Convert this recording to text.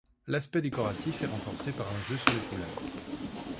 L'aspect décoratif est renforcé par un jeu sur les couleurs.